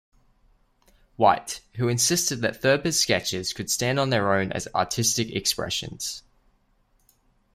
White, who insisted that Thurber's sketches could stand on their own as artistic expressions.